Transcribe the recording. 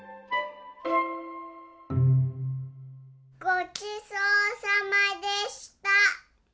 ごちそうさまでした。